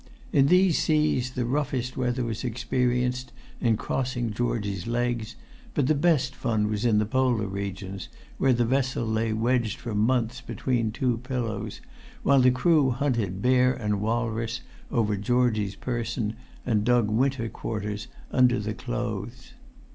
In these seas the roughest weather was experienced in crossing Georgie's legs, but the best fun was in the polar regions, where the vessel lay wedged for months between two pillows, while the crew hunted bear and walrus over Georgie's person, and dug winter quarters under the clothes.